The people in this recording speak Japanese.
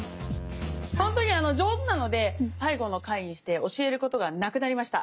ほんとに上手なので最後の回にして教えることがなくなりました。